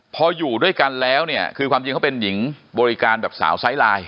พออยู่ด้วยกันแล้วเนี่ยคือความจริงเขาเป็นหญิงบริการแบบสาวไซส์ไลน์